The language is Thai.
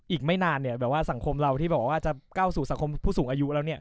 อีกไม่นานเนี่ยแบบว่าสังคมเราที่บอกว่าจะก้าวสู่สังคมผู้สูงอายุแล้วเนี่ย